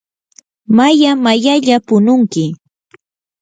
maya mayalla pununki.